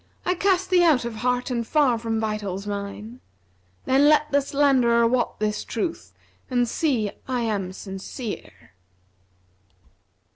I cast thee out of heart and far from vitals mine; * Then let the slanderer wot this truth and see I am sincere.'